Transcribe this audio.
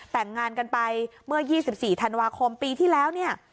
แต่งงานกันไปเมื่อ๒๔ธันวาคมปีที่แล้วเนี่ย